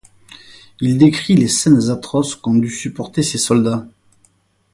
Il décrit les scènes atroces qu'ont dû supporter ses soldats.